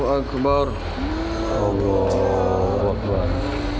baik jam'ah tolong bantu dia